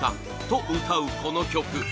と歌うこの曲